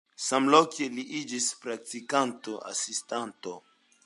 Samloke li iĝis praktikanto, asistanto.